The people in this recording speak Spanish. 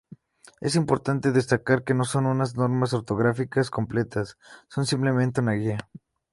Es importante destacar que no son unas normas ortográficas completas; son simplemente una guía.